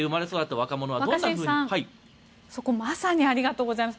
若新さん、そこまさにありがとうございます。